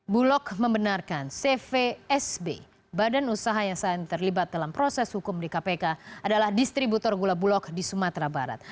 bulog membenarkan cvsb badan usaha yang saat ini terlibat dalam proses hukum di kpk adalah distributor gula bulog di sumatera barat